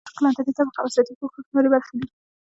د سرک لاندنۍ طبقه او سطحي پوښښ نورې برخې دي